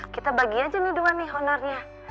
kita bagi aja nih dua nih honornya